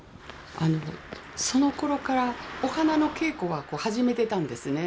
あのそのころからお花の稽古は始めてたんですね。